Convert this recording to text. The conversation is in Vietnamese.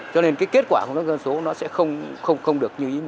cho nên cái kết quả của công tác dân số nó sẽ không được